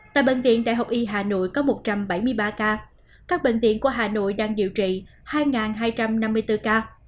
tại bệnh viện đại học y hà nội có một trăm bảy mươi ba ca các bệnh viện qua hà nội đang điều trị hai hai trăm năm mươi bốn ca